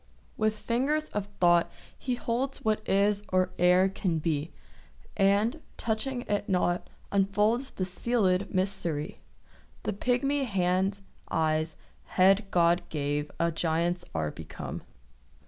With fingers of thought he holds What is or e'er can be; And, touching it not, unfolds The sealèd mystery. The pigmy hands, eyes, head God gave A giant's are become.